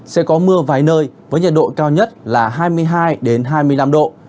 sẽ có mưa vài nơi với nhiệt độ cao nhất là hai mươi hai hai mươi năm độ